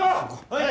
はい。